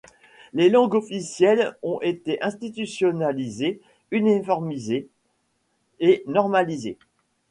Les langues officielles ont été institutionnalisées, uniformisées et normalisées.